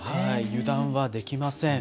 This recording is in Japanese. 油断はできません。